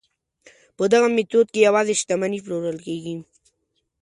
په دغه میتود کې یوازې شتمنۍ پلورل کیږي.